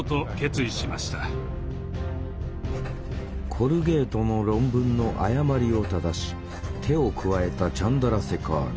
コルゲートの論文の誤りを正し手を加えたチャンドラセカール。